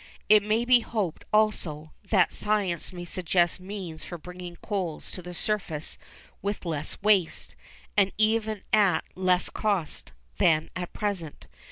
It may be hoped, also, that science may suggest means for bringing coals to the surface with less waste, and even at less cost, than at present.